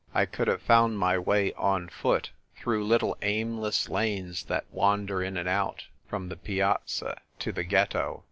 I could have found my way, on foot, through little aimless lanes that wander in and out, from the Piazza to the Ghetto.